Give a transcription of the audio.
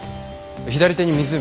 左手に湖。